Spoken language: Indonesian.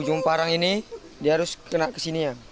ujung parang ini dia harus kena ke sini ya